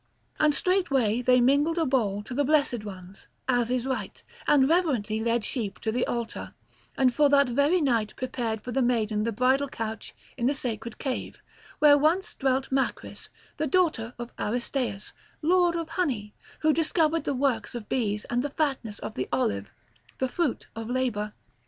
And straightway they mingled a bowl to the blessed ones, as is right, and reverently led sheep to the altar, and for that very night prepared for the maiden the bridal couch in the sacred cave, where once dwelt Macris, the daughter of Aristaeus, lord of honey, who discovered the works of bees and the fatness of the olive, the fruit of labour.